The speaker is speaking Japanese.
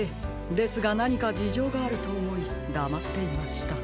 ですがなにかじじょうがあるとおもいだまっていました。